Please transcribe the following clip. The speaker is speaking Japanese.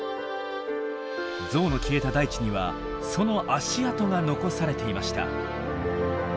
ゾウの消えた大地にはその足跡が残されていました。